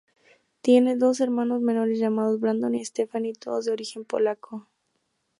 Tiene dos hermanos menores llamados Brandon y Stephanie, todos de origen polaco.